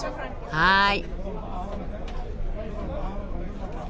はい。